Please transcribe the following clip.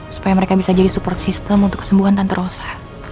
supaya mereka bisa jadi support system untuk kesembuhan tanpa rosa